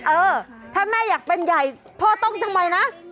เออถ้าแม่อยากเป็นใหญ่พ่อต้องทำไมนะ